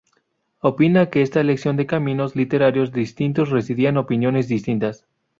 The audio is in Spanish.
Opina que esta elección de caminos literarios distintos residía en opiniones distintas.